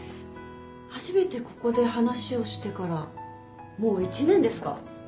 初めてここで話をしてからもう一年ですか。